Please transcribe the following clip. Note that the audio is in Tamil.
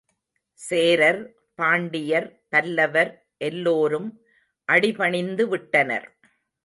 சேரர், பாண்டியர், பல்லவர் எல்லோரும் அடிபணிந்துவிட்டனர்.